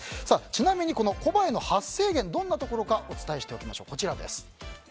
ちなみにコバエの発生源はどんなところなのかお伝えしておきましょう。